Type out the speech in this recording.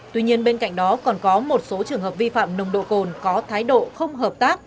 tuy nhiên bên cạnh đó còn có một số trường hợp vi phạm nồng độ cồn có thái độ không hợp tác